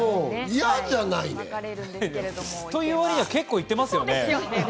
嫌じゃないね。というわりには結構行ってますよね。